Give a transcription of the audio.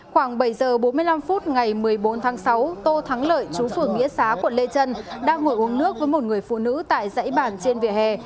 khoảng bảy giờ bốn mươi năm phút ngày một mươi bốn tháng sáu tô thắng lợi trúng xuống nghĩa xá quận lê trân đang ngồi uống nước với một người phụ nữ tại dãy bàn trên vỉa hè